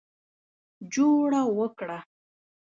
جوړه وکړه.